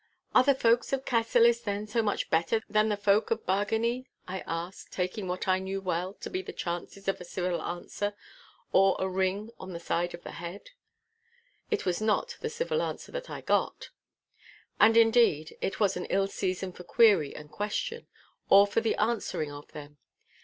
'Are the folk of Cassillis, then, so much better than the folk of Bargany?' I asked, taking what I well knew to be the chances of a civil answer, or of a ring on the side of the head. It was not the civil answer that I got. And, indeed, it was an ill season for query and question, or for the answering of them.